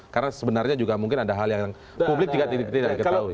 karena sebenarnya juga mungkin ada hal yang publik tidak ketahui